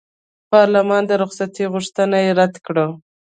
پارلمان د رخصتۍ غوښتنه یې رد کړه.